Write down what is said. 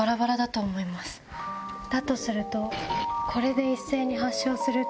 だとすると。